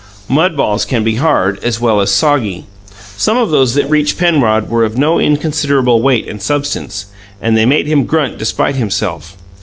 Mud balls can be hard as well as soggy; some of those that reached Penrod were of no inconsiderable weight and substance, and they made him grunt despite himself.